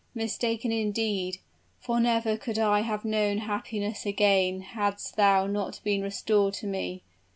Mistaken, indeed! for never could I have known happiness again hadst thou not been restored to me.